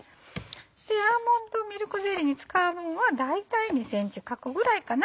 でアーモンドミルクゼリーに使う分は大体２ｃｍ角ぐらいかな。